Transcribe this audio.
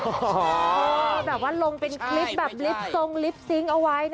โหแบบว่าลงเป็นคลิปแบบหลิปซงหลิปซิงก์เอาไว้นะคะ